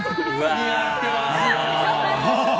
似合ってますよ！